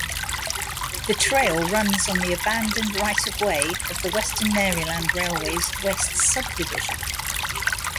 The trail runs on the abandoned right-of-way of the Western Maryland Railway's West Subdivision.